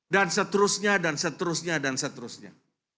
dan seterusnya dan seterusnya dan seterusnya